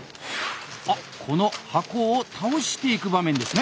あこの箱を倒していく場面ですね。